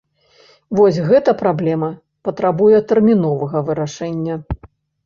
Вось гэта праблема патрабуе тэрміновага вырашэння.